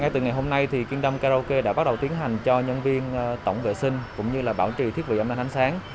ngay từ ngày hôm nay thì kingdom karaoke đã bắt đầu tiến hành cho nhân viên tổng vệ sinh cũng như là bảo trì thiết bị âm thanh ánh sáng